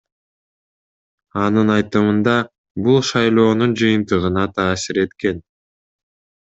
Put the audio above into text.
Анын айтымында, бул шайлоонун жыйынтыгына таасир эткен.